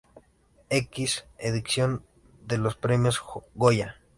X edición de los Premios Goya